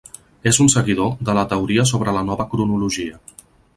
És un seguidor de la teoria sobre la Nova Cronologia.